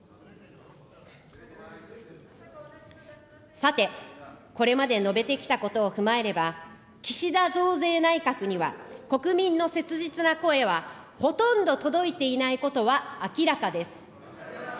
さて、これまで述べてきたことを踏まえれば、岸田増税内閣には国民の切実な声は、ほとんど届いていないことは明らかです。